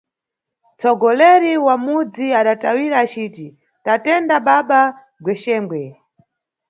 Nʼtsogoleri wa mudzi adatawira aciti, tatenda baba Gwexengwe.